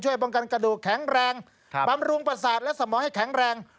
ป้องกันกระดูกแข็งแรงบำรุงประสาทและสมองให้แข็งแรง